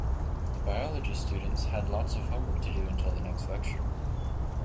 The biology students had lots of homework to do until the next lecture.